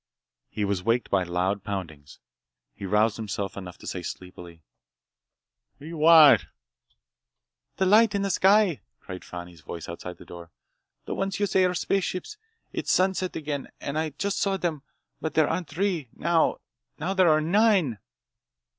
He was waked by loud poundings. He roused himself enough to say sleepily: "Whaddyawant?" "The lights in the sky!" cried Fani's voice outside the door. "The ones you say are spaceships! It's sunset again, and I just saw them. But there aren't three, now. Now there are nine!"